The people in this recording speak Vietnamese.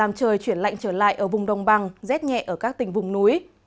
và làm trời chuyển lạnh trở lại ở vùng đông bằng rét nhẹ ở các tỉnh vùng núi